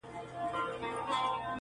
o ړانده ته شپه او ورځ يوه ده٫